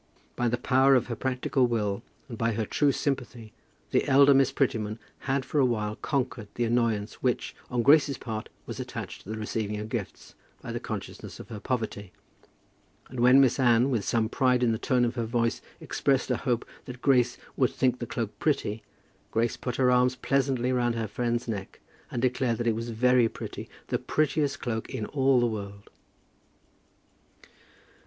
By the power of her practical will, and by her true sympathy, the elder Miss Prettyman had for a while conquered the annoyance which, on Grace's part, was attached to the receiving of gifts, by the consciousness of her poverty; and when Miss Anne, with some pride in the tone of her voice, expressed a hope that Grace would think the cloak pretty, Grace put her arms pleasantly round her friend's neck, and declared that it was very pretty, the prettiest cloak in all the world!